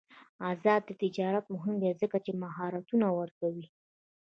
آزاد تجارت مهم دی ځکه چې مهارتونه ورکوي.